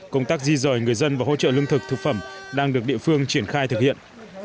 công tác di rời người dân và hỗ trợ lương thực thực phẩm đang được địa phương triển khai thực hiện